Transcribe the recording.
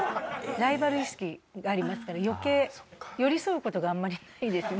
ライバル意識がありますから余計寄り添う事があんまりないですね。